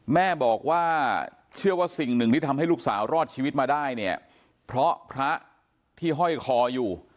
แม่บอกว่าเชื่อว่าสิ่งหนึ่งที่ทำให้ลูกสาวรอดชีวิตมาได้เนี่ยเพราะพระที่ห้อยคออยู่